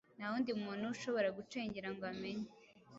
Nta wundi muntu ushobora gucengera ngo amenye